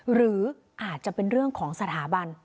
หรืออาจจะเป็นเรื่องของสถาบัน